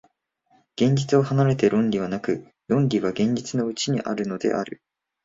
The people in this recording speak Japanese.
現実を離れて論理はなく、論理は現実のうちにあるのである。